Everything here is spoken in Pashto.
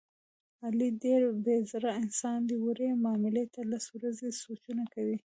علي ډېر بې زړه انسان دی، وړې معاملې ته لس ورځې سوچونه کوي.